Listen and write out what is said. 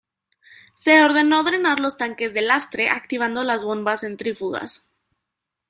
Se ordenó drenar los tanques de lastre activando las bombas centrífugas.